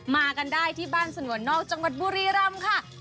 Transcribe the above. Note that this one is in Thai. มากันได้ที่บ้านสนวนนอกจังหวัดบุรีรำค่ะ